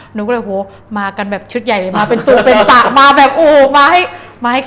หนูก็เลยโอ้โห